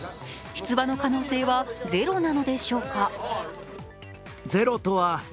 出馬の可能性はゼロなのでしょうか？